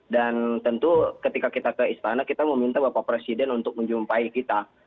dan tentu ketika kita ke istana kita meminta bapak presiden untuk menjumpai kita